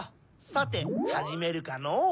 さてはじめるかのぅ。